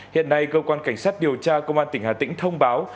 hiện nay cơ quan cảnh sát điều tra công an tỉnh hà tĩnh thông báo